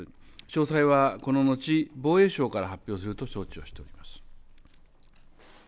詳細はこの後、防衛省から発表すると承知をしております。